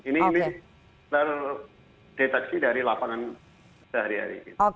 ini terdeteksi dari lapangan sehari hari